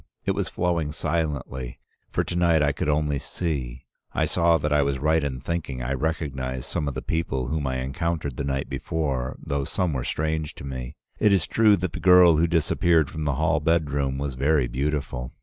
It was flowing silently, for to night I could only see. I saw that I was right in thinking I recognized some of the people whom I encountered the night before, though some were strange to me. It is true that the girl who disappeared from the hall bedroom was very beautiful.